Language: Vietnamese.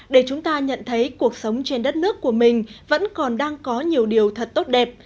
để chúng ta nhận thấy cuộc sống trên đất nước của mình vẫn còn đang có nhiều điều thật tốt đẹp